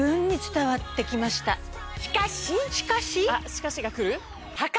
しかし」が来る？